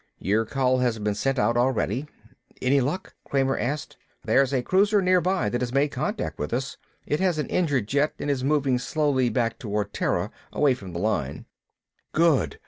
"Your call has been sent out already." "Any luck?" Kramer asked. "There's a cruiser nearby that has made contact with us. It has an injured jet and is moving slowly back toward Terra, away from the line." "Good."